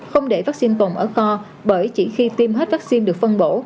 không để vaccine bồn ở kho bởi chỉ khi tiêm hết vaccine được phân bổ